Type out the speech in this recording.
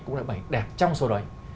cũng là bức ảnh đẹp trong số đoạn